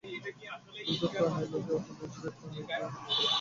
কিন্তু ক্রমে লোকে উহা বুঝিবে, ক্রমে জ্ঞানালোকের প্রকাশ হইবে।